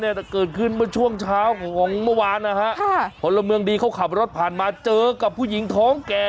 แต่เกิดขึ้นเมื่อช่วงเช้าของเมื่อวานนะฮะค่ะพลเมืองดีเขาขับรถผ่านมาเจอกับผู้หญิงท้องแก่